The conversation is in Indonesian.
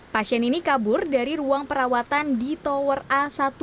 pasien ini kabur dari ruang perawatan di tower a satu